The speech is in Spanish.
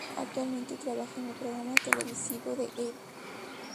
Actualmente, trabaja en el programa televisivo de E!